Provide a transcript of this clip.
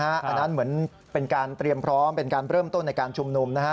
อันนั้นเหมือนเป็นการเตรียมพร้อมเป็นการเริ่มต้นในการชุมนุมนะฮะ